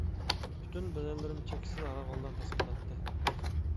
پۈتۈن بەدەنلىرىم چەكسىز ھارغىنلىق ھېس قىلاتتى.